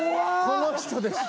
この人です。